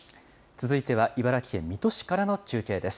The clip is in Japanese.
続いては茨城県水戸市からの中継です。